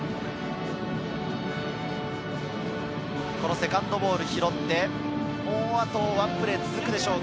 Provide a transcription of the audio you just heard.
セカンドボールを拾って、あとワンプレー、続くでしょうか。